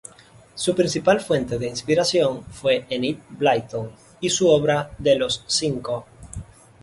Su principal fuente de inspiración fue Enid Blyton, y su obra de Los Cinco.